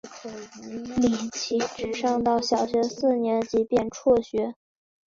李琦只上到小学四年级便辍学。